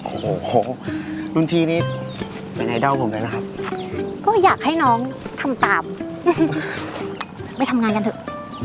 โอ้โหรุ่นพี่นี่เป็นไงเดาผมเลยนะครับก็อยากให้น้องทำตามไปทำงานกันเถอะ